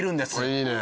いいね！